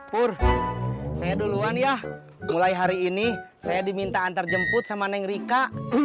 pur saya duluan ya mulai hari ini saya diminta antar jemput sama neng rika